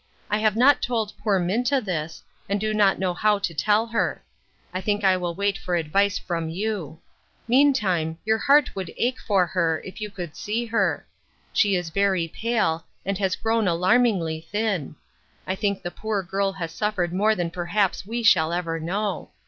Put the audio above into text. I have not told poor Minta this, and do not know how to tell her. I think I will wait for advice from you. Meantime, your heart would ache for her, if you could see her. She is very pale, and has grown alarmingly thin. I think the poor girl has suf fered more than perhaps we shall ever know.